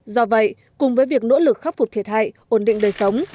do vậy cùng với việc nỗ lực khắc phục thiệt hại ổn định đời sống